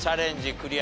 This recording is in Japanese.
クリア！